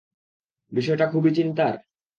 বিষয়টা খুবই চিন্তার?